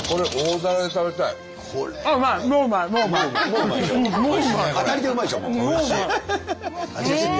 当たりでうまいでしょ。